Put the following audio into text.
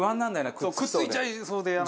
くっついちゃいそうでイヤ。